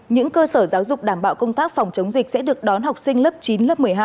những cơ sở giáo dục đảm bảo công tác phòng chống dịch sẽ được đón học sinh lớp chín lớp một mươi hai